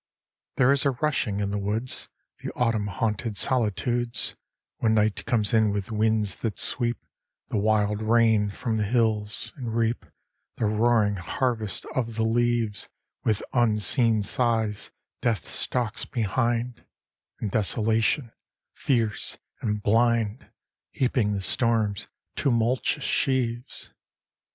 XXVII There is a rushing in the woods, The autumn haunted solitudes, When night comes in with winds that sweep The wild rain from the hills; and reap The roaring harvest of the leaves With unseen scythes Death stalks behind, And Desolation, fierce and blind, Heaping the storm's tumultuous sheaves.